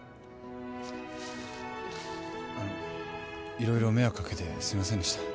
いろいろ迷惑かけてすいませんでした。